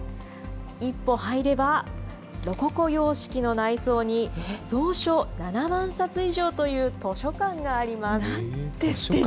一歩入れば、ロココ様式の内装に、蔵書７万冊以上という図書館があります。